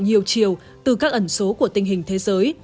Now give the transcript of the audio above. nhiều chiều từ các ẩn số của tình hình thế giới